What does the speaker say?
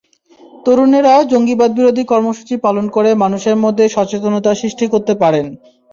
তরুণেরা জঙ্গিবাদবিরোধী কর্মসূচি পালন করে মানুষের মধ্যে সচেতনতা সৃষ্টি করতে পারেন।